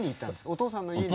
お父さんの家に。